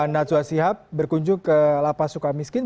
najwa sihab berkunjung ke lapas sukamiskin